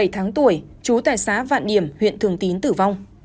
một mươi bảy tháng tuổi chú tại xã vạn điểm huyện thường tín tử vong